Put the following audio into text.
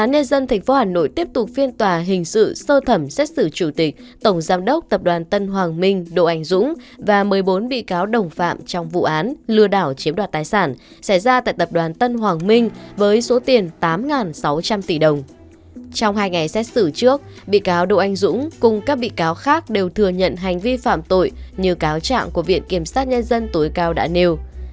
hãy đăng ký kênh để ủng hộ kênh của chúng mình nhé